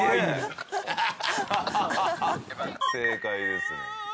正解ですね。